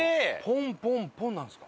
ポンポンポンなんですか。